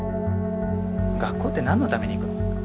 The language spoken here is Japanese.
学校って何のために行くの？